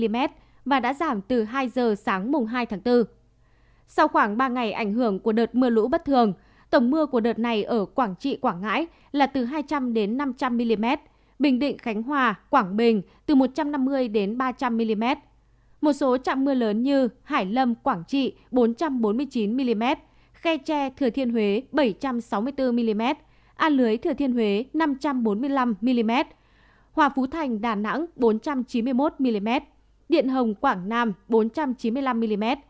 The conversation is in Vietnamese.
một số trạm mưa lớn như hải lâm quảng trị bốn trăm bốn mươi chín mm khe tre thừa thiên huế bảy trăm sáu mươi bốn mm a lưới thừa thiên huế năm trăm bốn mươi năm mm hòa phú thành đà nẵng bốn trăm chín mươi một mm điện hồng quảng nam bốn trăm chín mươi năm mm